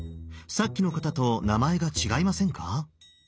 さっきの方と名前が違いませんか？